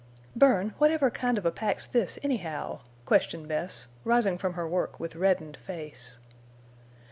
"Bern, whatever kind of a pack's this, anyhow?" questioned Bess, rising from her work with reddened face.